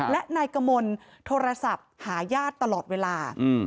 และนายกระมวลโทรศัพท์หายาดตลอดเวลาอืม